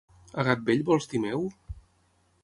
A gat vell vols dir meu?